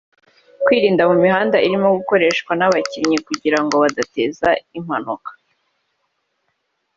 kwirinda kujya mu mihanda irimo gukoreshwa n’abakinnyi kugira ngo badateza impanuka